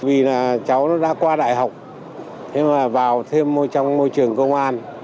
vì là cháu nó đã qua đại học thế mà vào thêm trong môi trường công an